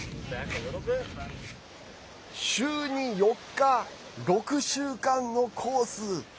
週に４日、６週間のコース。